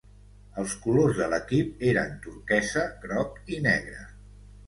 Els colors de l'equip eren turquesa, groc i negre.